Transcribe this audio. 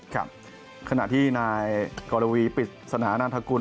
ครับขณะที่นายกรวีปริศนานันทกุล